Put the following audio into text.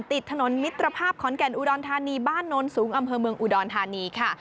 ติดถนนมิตรภาพขอนแก่นอุดรธานีบ้านโนนสูงอำเภอเมืองอุดรธานีค่ะ